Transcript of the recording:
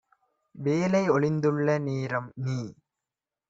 வேலை ஒழிந்துள்ள நேரம் - நீ